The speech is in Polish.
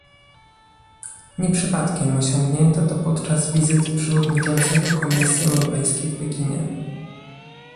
Nie przypadkiem osiągnięto to podczas wizyty przewodniczącego Komisji Europejskiej w Pekinie